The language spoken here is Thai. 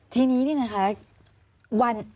ทีนี้เนี่ยนะคะ